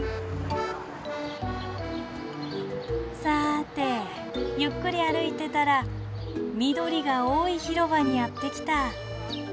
さてゆっくり歩いてたら緑が多い広場にやって来た。